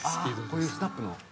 こういうスナップの。